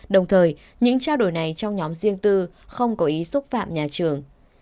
đồng thời những trao đổi này trong nhóm riêng tư không có ý xúc phạm nhà trường